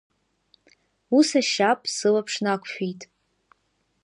Ус ашьап сылаԥш нақәшәеит.